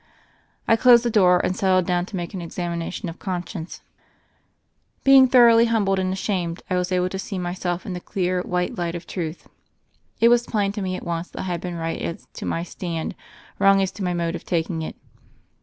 I closed the door, and settled down to make an examination of conscience. Being thor 176 THE FAIRY OF THE SNOWS oughly humbled and ashamed, I was able to see myself in the clear white light of truth. ^ It was plain to me at once that I had been right as to my stand, wrong as to my mode of taking it.